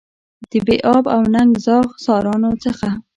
د بې آب او ننګ زاغ سارانو څخه.